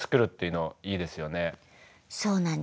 そうなんです。